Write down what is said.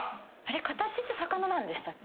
形って魚なんでしたっけ？